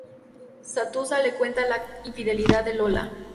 Santuzza le cuenta la infidelidad de Lola.